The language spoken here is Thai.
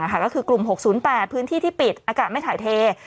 อะค่ะก็คือกลุ่มหกศูนย์แบบพื้นที่ที่ปิดอากาศไม่ถ่ายเพง